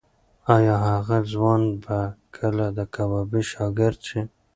ایا هغه ځوان به کله د کبابي شاګرد شي؟